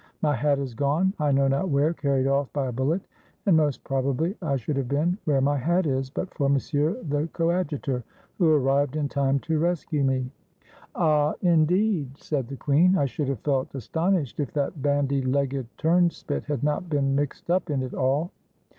My hat has gone, I know not where, carried off by a bullet, and most probably I should have been where my hat is, but for Monsieur the Coadjutor, who arrived in time to rescue me." "Ah, indeed!" said the queen; "I should have felt astonished if that bandy legged turnspit had not been mixed up in it all."